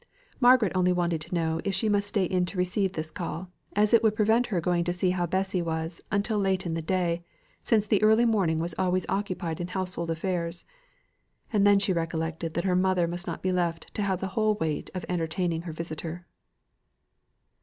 Margaret only wanted to know if she must stay in to receive this call, as it would prevent her going to see how Bessy was, until late in the day, since the early morning was always occupied in household affairs; and then she recollected that her mother must not be left to have the whole weight of entertaining her visitor.